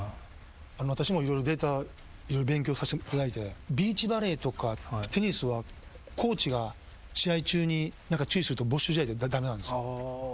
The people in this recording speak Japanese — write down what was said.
私も色々データ勉強させていただいてビーチバレーとかテニスはコーチが試合中に注意すると没収試合で駄目なんですよ。